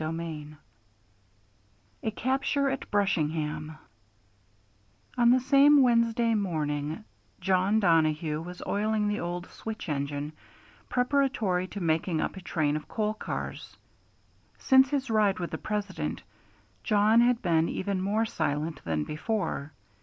CHAPTER XIV A CAPTURE AT BRUSHINGHAM On the same Wednesday morning Jawn Donohue was oiling the old switch engine preparatory to making up a train of coal cars. Since his ride with the President, Jawn had been even more silent than before.